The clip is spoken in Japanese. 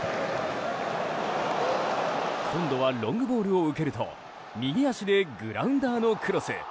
今度はロングボールを受けると右足でグラウンダーのクロス。